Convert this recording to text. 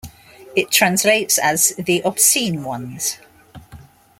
It translates as 'The Obscene Ones'.